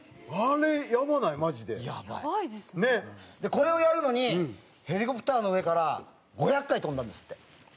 これをやるのにヘリコプターの上から５００回飛んだんですって。